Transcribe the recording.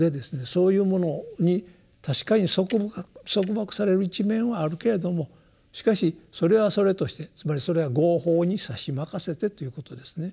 そういうものに確かに束縛される一面はあるけれどもしかしそれはそれとしてつまりそれは「業報にさしまかせて」ということですね。